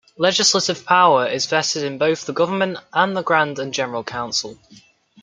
Legislative power is vested in both the government and the Grand and General Council.